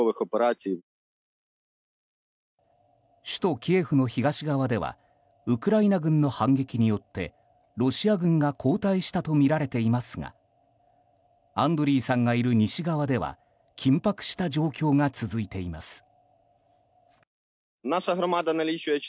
首都キエフの東側ではウクライナ軍の反撃によってロシア軍が後退したとみられていますがアンドリーさんがいる西側では緊迫した状況が続いています。